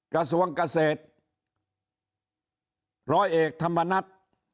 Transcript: กระทรวงเกษตรร้อยเอกธรรมนัฐ